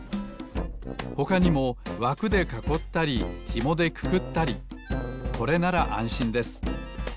ほかにもわくでかこったりひもでくくったりこれならあんしんです。